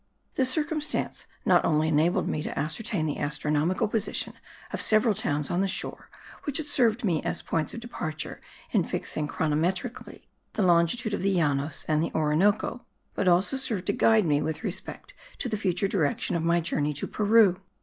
This circumstance not only enabled me to ascertain the astronomical position of several towns on the shore which had served me as points of departure in fixing chronometrically the longitude of the Llanos and the Orinoco, but also served to guide me with respect to the future direction of my journey to Peru.